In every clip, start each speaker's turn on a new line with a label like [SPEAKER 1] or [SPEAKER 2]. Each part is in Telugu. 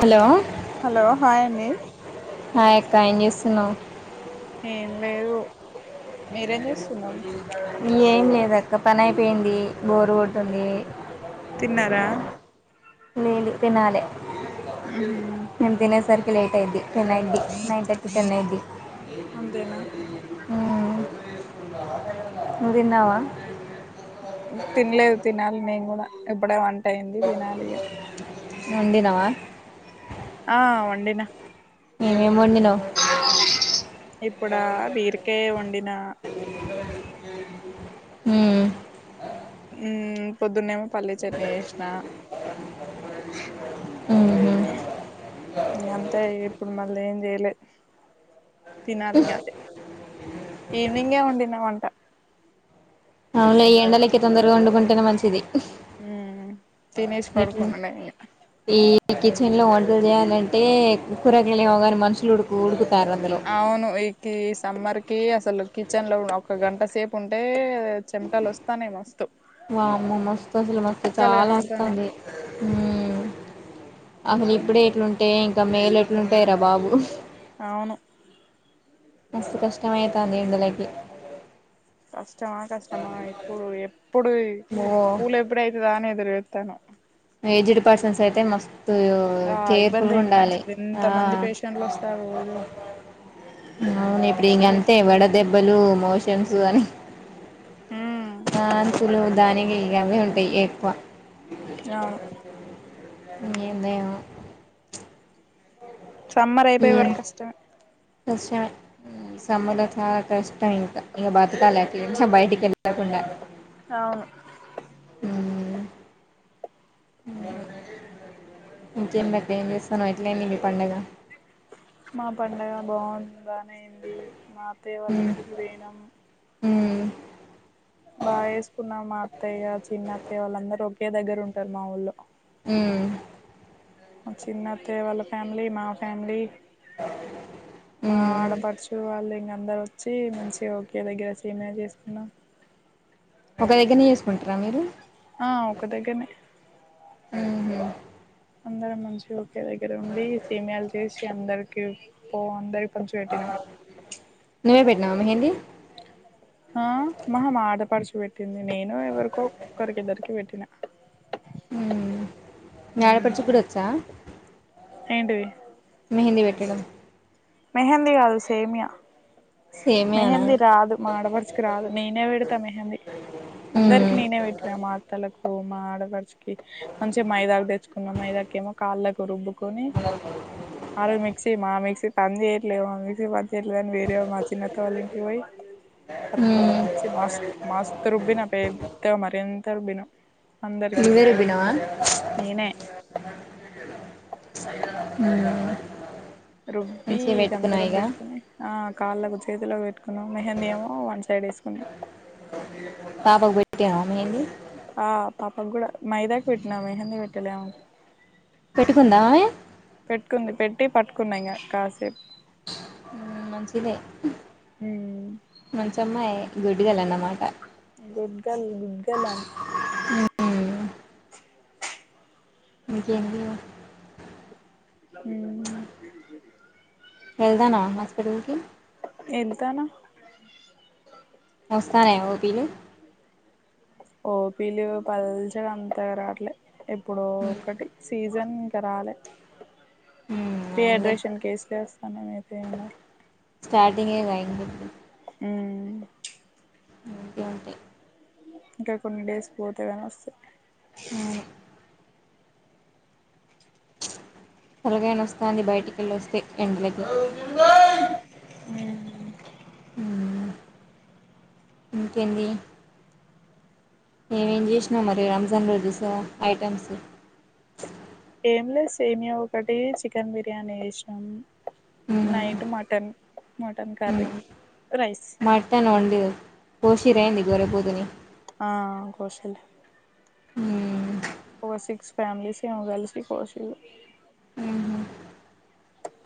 [SPEAKER 1] హలో
[SPEAKER 2] హలో హాయ్ అండి
[SPEAKER 1] హై అక్క ఏం చేస్ తునవ్
[SPEAKER 2] ఏం లేదు, మీరేం చేస్
[SPEAKER 1] ఏం లెడ్ అక్క పని అయిపోయింది బోరు కొంటంది
[SPEAKER 2] తిన్నారా
[SPEAKER 1] లేదు తినాలే
[SPEAKER 2] ఉహ్ ఉమ్
[SPEAKER 1] [unintelligible] టైది టెన్ అవుధి నైన్ థర్టీ టెన్ అఐది.
[SPEAKER 2] అంతేనా
[SPEAKER 1] ఉమ్ తీసుకొంద నవ్వు తిన్నావా?
[SPEAKER 2] తినలేదు తినాలి నేను కూడా ఇప్పుడే వన్ టైన్ది తినాలి ఇగ
[SPEAKER 1] వండినవ
[SPEAKER 2] ఆ వండినా
[SPEAKER 1] ఏమేమి వండినావు
[SPEAKER 2] ఇప్పుడా బీరకాయ్ వండిన
[SPEAKER 1] ఉమ్
[SPEAKER 2] ఉమ్ పోద్దునే పల్లి చెక్ని చేసిన
[SPEAKER 1] మ్మ్
[SPEAKER 2] ఈ అంతే ఇప్పుడు మార్ మల్ల చేయలే తినాలి ఇంగ అదే, ఈవనింగే వండినా వంట.
[SPEAKER 1] అవ్నె ఈ ఎండలకి తొందరగా వండుకుంటేనే మంచిది.
[SPEAKER 2] ఉమ్ తినేసి
[SPEAKER 1] ఎట్లా
[SPEAKER 2] పాడుకున్నా నెన్ ఇగ
[SPEAKER 1] హృదయాలు అంటే కూరగాయాలు ఏమో కాని మనుషలు ఉడుకు ఉడుకు
[SPEAKER 2] అవును ఇకిస్ సమ్మర్ కి అసలు కిచెన్ లో ఒక గంట సేపు ఉంటే చెమటలు వస్తాన్నాయి మస్తు
[SPEAKER 1] వామో మస్త్ అసలు మస్తు
[SPEAKER 2] చుక్కలు
[SPEAKER 1] చాలా
[SPEAKER 2] కనపడతాన్నాయి
[SPEAKER 1] వస్తుంది. ఉమ్ అసలు ఇప్పుడే ఎట్లుంటే ఇంకా మే ల ఎట్లుంటాయి రా బాబు
[SPEAKER 2] అవును
[SPEAKER 1] మస్తు కష్టం అయ్యితాంది ఎండ లకి
[SPEAKER 2] కష్టమా కష్టమా ఇప్పుడు ఎప్పుడు
[SPEAKER 1] ఓ
[SPEAKER 2] కూల్ ఎప్పుడు ఐతద అని ఎదురు చూత్తనం
[SPEAKER 1] ఏజుడు పర్సన్స్ అయితే మస్ తు
[SPEAKER 2] ఆ ఇబ్బంది
[SPEAKER 1] కేర్ఫుల్గా
[SPEAKER 2] ఇంగా
[SPEAKER 1] ఉండాలి.
[SPEAKER 2] అసలు ఎంత
[SPEAKER 1] ఆ
[SPEAKER 2] మంది పేషెంట్లు వస్తారు రోజు
[SPEAKER 1] అవును ఇప్పుడు
[SPEAKER 2] మస్తు
[SPEAKER 1] ఇగ అంతే
[SPEAKER 2] పేషెంట్లు వస్తారు.
[SPEAKER 1] వడదెబ్బలు, మోషన్స్. దువని.
[SPEAKER 2] ఉమ్
[SPEAKER 1] ఆ అంతులో దానికి గావే ఉంటాయి. ఎక్కువ
[SPEAKER 2] రావ్ ‌.
[SPEAKER 1] ఏందో ఏమో.
[SPEAKER 2] సమ్మర్ అయిపోయే వరకు కష్టమే.
[SPEAKER 1] సమ్మర్ లో చాలా కష్టం ఇంకా. ఇంకా బ్రతకాలి కొంచెం బయటికి వెళ్ళకుండా.
[SPEAKER 2] అవును‌.
[SPEAKER 1] ఉ ఇంకేం బట్టి ఏం చేస్తానవు. ఎట్లా అయింది మీ పండుగ.
[SPEAKER 2] మా పండగ బాగుంది. పనైంది మాక్ అత్తయ్య వాళ్ళ
[SPEAKER 1] మ్మ్
[SPEAKER 2] ఇంటికి వెయినం.
[SPEAKER 1] [inaudible]
[SPEAKER 2] బాగా చేసుకున్నాం. మా అత్తయ్య, చిన్నత్తయ్య వాళ్ళందరు ఒకే దగ్గర ఉంటారు. మావోళ్ళు.
[SPEAKER 1] ఊ
[SPEAKER 2] మా చిన్న అత్తయ్య వాళ్ళ ఫ్యామిలీ. మా ఫ్యామిలీ. మా
[SPEAKER 1] మ్మ్
[SPEAKER 2] ఆడపడుచు వాళ్ళు ఇంగా అందరు వచ్చి మంచిగా ఓకే దగ్గర సేమియా చేసుకున్నాం.
[SPEAKER 1] ఒక దగ్గరనే చేసుకుంటారా. మీరు
[SPEAKER 2] ఆ ఒక దగ్గరనే.
[SPEAKER 1] హు హు
[SPEAKER 2] అందరు మంచియో ఒకే దగ్గర ఉండి. సెమియాలు చేసి చి అందరికి పో అందరి
[SPEAKER 1] నువ్వే పెట్ నామ ఏంది.
[SPEAKER 2] ఆ మహమ్ ఆడపడుచు వెట్ పెట్టింది. నేను ఎవరికో ఒకరికిద్దరికి వెట్టినా.
[SPEAKER 1] మ్మ్ మీ ఆడపడుచు గుడా వచ్చా.
[SPEAKER 2] ఏంటిది.
[SPEAKER 1] మెహందీ పెట్టడం.
[SPEAKER 2] మెహందీ. కాదు సేమ్యా.
[SPEAKER 1] సేమేనా
[SPEAKER 2] మెహందీ రాదు. మాడపడుచుకి రాదు. నేనే పెడతా మెహందీ.
[SPEAKER 1] మ్మ్
[SPEAKER 2] అందరికి నేనే పెట్టినా మా అత్తలకూ మా ఆడపడుచుక్ కి. మంచిగ మైదాక్ తెచ్ కున్న మైదాకేమో కాళ్ళకు రుబ్బు కొనీ. ఆరోజు మిక్సీ మా మిక్సీ పనిచేయట్లేదు మా మిక్సీ పన్ చేయట్లేదని వేరే మార్చ్ చిన్నక్క వాళ ఇంటికి పోయి. పట్టుకొని
[SPEAKER 1] మ్మ్
[SPEAKER 2] వచ్చి మాస్ మాస్తు రుబ్బి నా పెద్దగా మరిం అంత రుబ్బినం.
[SPEAKER 1] నువ్వే రుబ్బినవా.
[SPEAKER 2] నేనే
[SPEAKER 1] ఊ
[SPEAKER 2] రుబ్బీ ఇగ అందరం పెట్టుకుని, ఆ కాళ్ళకు చేతిలకు పెట్ కున్నం. మెహందీ ఏమో వన్ సైడ్ ఏసుకున్నం.
[SPEAKER 1] పాపకు పెట్టినవా మెహందీ.
[SPEAKER 2] ఆ పాపకి కూడా, మైదాక్ పెట్టినా మెహందీ పెట్టలే ఆమెకు.
[SPEAKER 1] పెట్టుకుందా ఆమె
[SPEAKER 2] ట్టి. పట్టుకున్నా ఇంగా కాసేప్.
[SPEAKER 1] ఉమ్ మంచిదే. మంచమ్మాయే. గుడ్డు గర్ల్ అన్నమాట.
[SPEAKER 2] గుడ్ గర్ల్, గుడ్ గర్ల్ ఆమె.
[SPEAKER 1] మ్మ్ ఇంకేంది [unintelligible]
[SPEAKER 2] హ్మ
[SPEAKER 1] వెళ్దామా హస్పిటల్కీ.
[SPEAKER 2] ఎందుకనా
[SPEAKER 1] వస్తానాయా ఓపీలు.
[SPEAKER 2] ఓపీలూ పల్చగ అంతగరాట్లే. ఇప్పుడో ఒకటి సీజన్. ఇంక రాలే.
[SPEAKER 1] అవునులే
[SPEAKER 2] డీహైడ్రేషన్ కేసులే వస్తానై ఐతే పాక్.
[SPEAKER 1] స్టార్టింగే గా [inaudible] ఇంకేంటి.
[SPEAKER 2] ఇంకా కొన్ని డేస్ పోతే గాని వస్తయ్.
[SPEAKER 1] అవును తలకాయ్ నొస్తాంది బయటికెళ్ళొస్తె, ఎండలకి. ఇంకేందీ. ఏమేం చేశినవ్ మరి రంజాన్ రోజు సా ఐటమ్సు.
[SPEAKER 2] ఏంలేదు సేమ్యా ఒకటి చికెన్ బిర్యానీ చేసినం night mutton mutton curry rice
[SPEAKER 1] mutton వండి కొషిర్రా యి
[SPEAKER 2] ఆ కోశిల్లు
[SPEAKER 1] ఉ
[SPEAKER 2] ఫోర్ సిక్స్ ఫమీలీస్ ఏమో కలిసి కోశిల్లు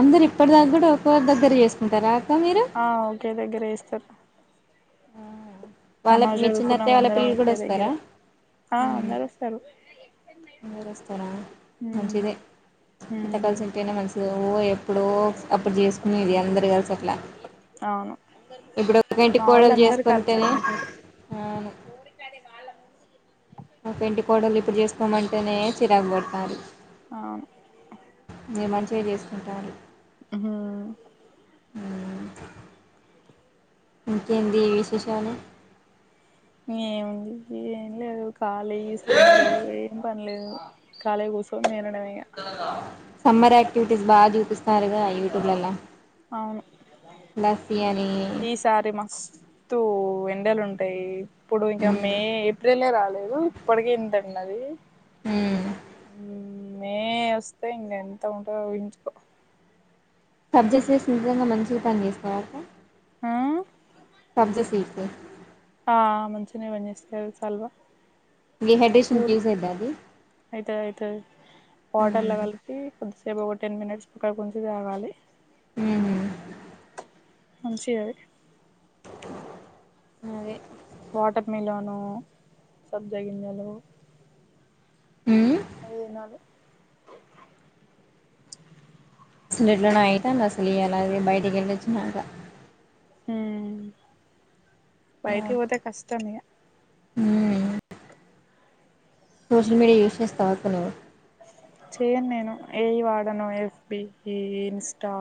[SPEAKER 1] అందరు ఇప్పటి దాకా కూడా ఒకవారి దగ్గర చేసుకుంటారా మీరు
[SPEAKER 2] ఆ ఓకే దగ్గర చెస్తారు
[SPEAKER 1] వాళ్ళ
[SPEAKER 2] నమాజ్
[SPEAKER 1] మీ
[SPEAKER 2] చదువుకున్నా
[SPEAKER 1] చిన్నత్తయ్య వాళ్ళ
[SPEAKER 2] అందరం
[SPEAKER 1] పిల్లలు కూడా
[SPEAKER 2] ఒకే దగ్గర
[SPEAKER 1] వస్తారా
[SPEAKER 2] ఆ అందరు వస్తారు
[SPEAKER 1] అరు వస్తారా
[SPEAKER 2] ఉమ్
[SPEAKER 1] మంచిదే ఎంత
[SPEAKER 2] ఉమ్
[SPEAKER 1] కలిసి ఉంటేనే మంచిది ఓ ఎప్పుడో అప్పుడు చేసుకు మీది అందరు కలిసి ఓక్ అట్లా
[SPEAKER 2] అవును
[SPEAKER 1] ఇప్పుడు ఒక ఇంటి
[SPEAKER 2] మా వాళ్ళు
[SPEAKER 1] కోడలు
[SPEAKER 2] అందరు కలిసే
[SPEAKER 1] చేసుకుంటేనే
[SPEAKER 2] ఉంటారు
[SPEAKER 1] మా ఇంటి కోడలు ఇప్పుడు చేసుకోమంటేనే చిరాకు పడతారు
[SPEAKER 2] అవును
[SPEAKER 1] మీ మంచిగా చేసుకుంటాళ్ళు
[SPEAKER 2] హు
[SPEAKER 1] ఇంకేంది ఈ విశేషాలు
[SPEAKER 2] ఏం ఉంది ఏం లేదు కాలి సమ్మరు ఏం పనిలేదు కాలింగ కూసోని తిన
[SPEAKER 1] సమ్మర్ అయి విటీస్ బా చూపిస్తారుగా యూట్యూబ్లల్ల
[SPEAKER 2] అవును ఈసారి మస్తు ఎన్ ఎండలు ఉంటాయి ఇప్పుడు ఇంకా మే
[SPEAKER 1] మ్మ్.
[SPEAKER 2] ఏప్రిలే రాలే గో ఇప్పటికే ఏంతున్నది
[SPEAKER 1] హు
[SPEAKER 2] మే వస్తే ఇంకా ఎంత ఉంటో ఊహించుకో
[SPEAKER 1] సబ్జా సీడ్స్ నిజంగా మంచిగా పని చేస్తాయా అక్క
[SPEAKER 2] ఆ
[SPEAKER 1] సబ్జా సీడ్స్
[SPEAKER 2] ఆ మంచిగనే పని చేస్తాయి చలువ
[SPEAKER 1] ఇ డిహైడ్రేషన్ కి యూస్ అయిద్ద అది
[SPEAKER 2] అయితది అయితది వాటర్ల
[SPEAKER 1] మ్మ్.
[SPEAKER 2] కలిపి కొద్ది కొ రేపు ఒక టెన్ మినిట్స్ పక్కకు ఉంచి తాగాలి
[SPEAKER 1] ఊహు
[SPEAKER 2] మంచి అది
[SPEAKER 1] అదే
[SPEAKER 2] వాటర్ మిలోను సబ్జగింజలు
[SPEAKER 1] ఉమ్
[SPEAKER 2] అవి దినాలి
[SPEAKER 1] అసలు ఎట్లనో అయితాంది అసలు ఇయాలా బయటికి ఎళ్ళిచ్చినాక
[SPEAKER 2] ఊమ్ బయటికి ఒతే కష్టమిగ
[SPEAKER 1] ఉమ్ సోషల్ మీడియా యూజ్ చేస్తావక్క నువు
[SPEAKER 2] చేయను నేను ఏయి వాడను ఎఫ్‌బి ఇ ఇన్స్టా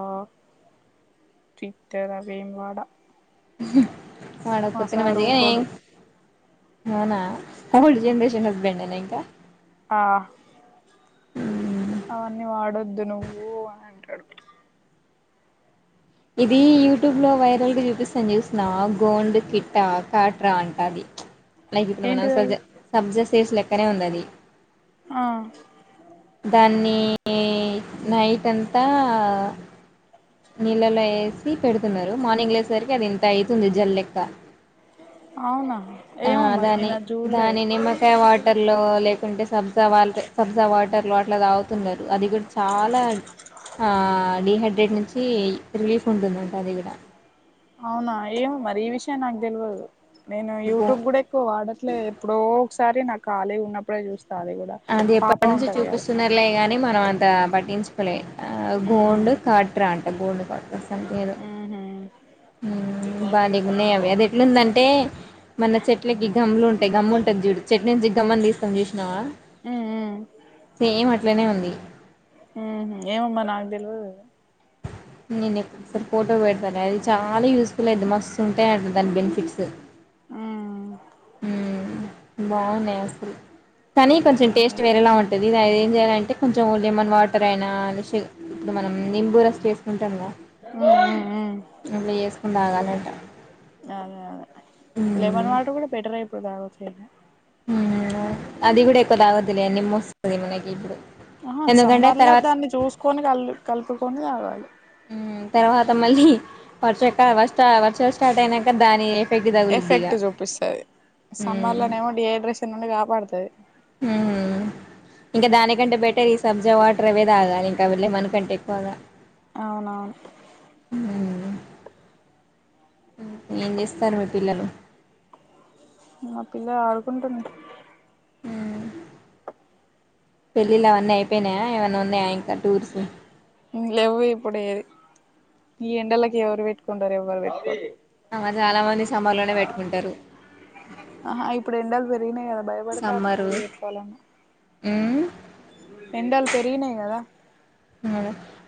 [SPEAKER 2] ట్విట్టర్ అవేమ్ వాడ మా
[SPEAKER 1] వాడకపోతేనే
[SPEAKER 2] సార్
[SPEAKER 1] మంచిగా
[SPEAKER 2] ఊకోడు
[SPEAKER 1] ఏంగ్ అవునా ఓల్డ్ జెనరేషన్ హస్బెండేనా ఇంకా
[SPEAKER 2] ఆ ఇ వాడొద్దు నువ్వు అని అంటడు.
[SPEAKER 1] ఇది యూట్యూబ్లో వైరల్గా చూపిస్తం జూస్నవా గోండ్ కిట్టా కాట్రా అంట అది. లైక్ ఇప్పుడు మన సజ
[SPEAKER 2] ఏంటిదది
[SPEAKER 1] సబ్జెస్ చేస్ లెక్కనే ఉంది అది
[SPEAKER 2] ఆ
[SPEAKER 1] దాన్ని ఈ నైట్ అంతా నీళ్ళలో ఏసి పెడుతున్నారు మార్నింగ్ లేసేసరికి అది ఇంత ఐతుంది జల్ లెక్క
[SPEAKER 2] అవునా
[SPEAKER 1] ఆ
[SPEAKER 2] ఏమో మరి
[SPEAKER 1] దాని
[SPEAKER 2] నేను అ జూలే
[SPEAKER 1] దాని నిమ్మకాయ వాటర్ లో లేకుంటే సబ్ తవార్లే సబ్జా వాటర్ లో అట్ల తాగుతుంటరు అది కూడా చాలా ఆ డీహైడ్రేట్ నుంచి ఏయి రిలీఫ్ ఉంటుందంట అది గూడా
[SPEAKER 2] అవునా ఏమో మరి ఈ విషయ నాకు దెల్వదు నేను
[SPEAKER 1] గో
[SPEAKER 2] యూట్యూబ్ గూడ ఎక్కువ వాడట్లేదు ఎప్పుడో సారి నాకు ఖాలీగా ఉన్నప్పుడే జూస్
[SPEAKER 1] అది ఎప్పటి నుంచి చూపిస్తున్నారులే గానీ ని మనం అంత పట్టించుకోలే ఆ గోండు
[SPEAKER 2] ఉమ్
[SPEAKER 1] కాట్రా అట గోండు కా
[SPEAKER 2] ఉహు
[SPEAKER 1] బాలేగున్నాయి అవి అది ఎట్లుందంటే మన చెట్లకి గమ్లు ఉంటాయి గమ్ము ఉంటది జూడు
[SPEAKER 2] ఉమ్ ఉమ్
[SPEAKER 1] సేమ్ అట్ల నే ఉంది.
[SPEAKER 2] ఊహ్మ్ ఏమో మరి నాకు దెల్వది అది
[SPEAKER 1] నేనీకొకసారి ఫోటో వెడతా అది చాలా యూస్ఫుల్ అయిద్ది మస్తు ఉంటాయి అంట దాని బెనిఫిట్సు
[SPEAKER 2] ఆ
[SPEAKER 1] బావున్నాయి అసలు కాని కొంచం టేస్ట్ వేరేలా ఉంటది ఇది ఏం చేయాలంటే కొంచెం లెమన్ వాటర్ అయినా లే షు ఇప్పుడు మనం నింబు రస్ చేసుకుం టామ్ గా
[SPEAKER 2] ఉమ్ ఉమ్
[SPEAKER 1] ఇలా చేేసుకొని తాగాలి [unintelligible]
[SPEAKER 2] అదే అదే లెమన్ వాటర్ కూడా బెటర్ అయి [unintelligible]
[SPEAKER 1] హ అది కూడా [unintelligible] మనకి ఇప్పుడు
[SPEAKER 2] ఆ
[SPEAKER 1] ఎందుకంటే
[SPEAKER 2] సమ్మర్లా
[SPEAKER 1] తర్వాత
[SPEAKER 2] దాన్ని చూసుకొని కల్ కలుపు కొన్ని తాగాలి
[SPEAKER 1] తర్వాత మళ్ళీ వర్చక్క వర్ వర్చ స్టార్ట్ అయినాక దాని ఎఫెక్ట్ తగులుద్ది ఇగ
[SPEAKER 2] ఎఫెక్ట్ చూపిస్తుది సమ్మర్
[SPEAKER 1] మ్మ్
[SPEAKER 2] లోనేమో డీహైడ్రేషన్ నుండి కాపాడుతాది
[SPEAKER 1] ఇంకా దానికంటే బెటర్ ఈ సబ్జీ వాటర్ అవే తాగాలి ఇంకా వెళ్ళే మనకంటే ఎక్కువగా
[SPEAKER 2] అవునవును
[SPEAKER 1] ఏం చేస్తారు మీ పిల్లలు
[SPEAKER 2] మా పిల్ల ఆడుకుంటుంది
[SPEAKER 1] అ పెళ్ళిళ్లు అవన్నీ అయిపోయినాయా ఏమన్న ఉన్నాయా ఇంకా టూర్స్
[SPEAKER 2] లేవ ఇప్పుడు ఏది ఈ ఎండలకి ఎవరు పెట్టుకొంటారు ఎవరు పెట్టుకోరు
[SPEAKER 1] మరి చాలా మంది సమ్మర్ లోనే పెట్టుకుంటారు
[SPEAKER 2] ఆహా ఇప్పుడు ఎండలు పెరిగినాయి కదా భయపడతరూ
[SPEAKER 1] సమ్మరు
[SPEAKER 2] పెళ్ళిళ్ళు పెట్టుకోవాలన్న
[SPEAKER 1] ఉమ్
[SPEAKER 2] ఎండలు పెరిగి గినాయి కదా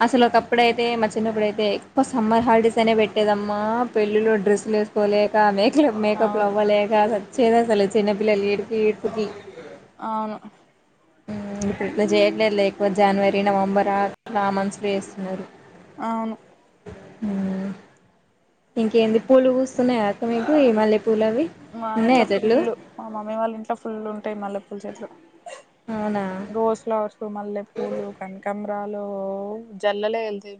[SPEAKER 1] అసలు ఒకప్పుడ అైతే మా చిన్నప్పుడుైతే ఎక్కువ సమ్మర్ హాలిడేస్ అనే పెట్టేదమ్మా పెళ్ళిలో డ్రెస్సులు వేసుకోలేక మే మ మేకప్లో
[SPEAKER 2] అవును
[SPEAKER 1] అవ్వలేక చేదా స్థల చిన్నపిిల్ల్లిడుపి ఏడ్పు కి
[SPEAKER 2] అవును
[SPEAKER 1] ఇప్పుడుట్లా చేయట్లేదు ఎక్కువ జనవరి నవంబర్ ఆట్ ఆ మనుసులు చేస్తున్నారు
[SPEAKER 2] అవును
[SPEAKER 1] ఇంకేంది పూలు కూస్తున్నాయా అక మీకు ఈ మళ్ళీ
[SPEAKER 2] మా ఇంట్లో ఫుల్లు మా మమ్మీ వాళ్ళ ఇంట్లో ఫుల్ ఉంటాయి మళ్ళ పూల చెట్లు
[SPEAKER 1] అవునా
[SPEAKER 2] రోజ ఫ్లావర్స్ మల్ళ పూలు కనకాంమరాలు జల్లలే ఎల్తెగ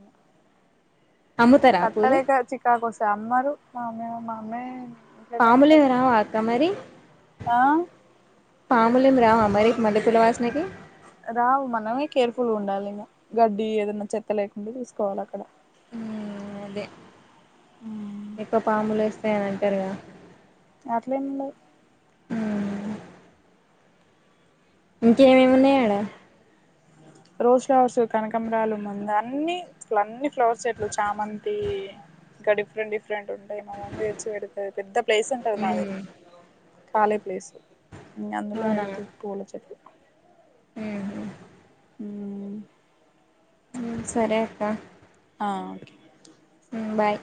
[SPEAKER 1] అమ్ముతారా పూలు
[SPEAKER 2] కట్టలెక చికా కొస్ అమ్మరు మా అమ్మే మా అమ్మే
[SPEAKER 1] పాములేేమీ రావా అక్క మరి
[SPEAKER 2] ఆ
[SPEAKER 1] పాములేం రావ మరి మల్లెపూలవాస్నకీ
[SPEAKER 2] రావు మనమే కేర్ఫుల్ ఉండాలింగ గడ్డీ ఏదన్న చెత్త లేకుండ చూసుకోవాల అక్కడ
[SPEAKER 1] అదే ఎక్కువ పాములు ఎస్ ఉంటయ్ అంటరుగద
[SPEAKER 2] అట్లే ఏం ఉండదు
[SPEAKER 1] ఇంకేమేమున్నయ్ ఆడా
[SPEAKER 2] రోజ్ ఫ్లవర్స్ కనకంమ్రాలు మందా అన్నీ స్లన్నీ ఫ్లవర్స్ చెట్లు చామంతీ ఇంక డిఫరెంట్ డిఫరెంట్ ఉం య్ మా మమ్మీ తెచ్చి పెడతది పెద్ద ప్లేస్ ఉంటది మాది ఖాళీ ప్లేసు అందులో
[SPEAKER 1] అవునా
[SPEAKER 2] ఎడుతది పూలచెట్లు
[SPEAKER 1] ఉహు
[SPEAKER 2] ఉఉ
[SPEAKER 1] హు, సరే అక్క
[SPEAKER 2] ఆ
[SPEAKER 1] బాయ్